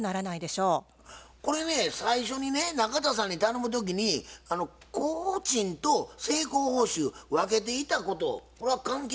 これね最初にね中田さんに頼む時に工賃と成功報酬分けていたことこれは関係ないんですか？